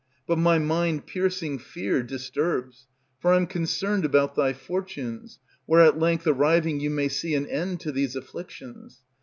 But my mind piercing fear disturbs; For I'm concerned about thy fortunes, Where at length arriving you may see An end to these afflictions.